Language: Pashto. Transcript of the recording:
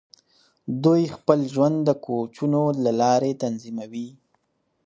دوی خپل ژوند د کوچونو له لارې تنظیموي.